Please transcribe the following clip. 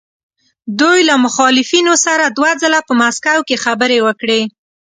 دوی له مخالفینو سره دوه ځله په مسکو کې خبرې وکړې.